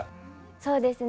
そうですね